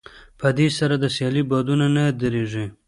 په دې سره د سيالۍ بادونه نه درېږي.